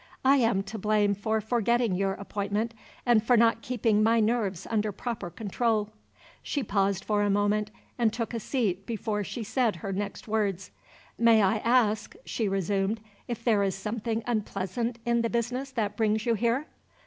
"I am to blame for forgetting your appointment and for not keeping my nerves under proper control." She paused for a moment and took a seat before she said her next words. "May I ask," she resumed, "if there is something unpleasant in the business that brings you here?"